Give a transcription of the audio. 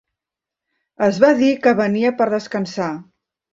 Es va dir que venia per descansar.